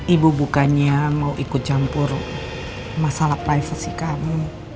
ibu bukannya mau ikut campur masalah privasi kamu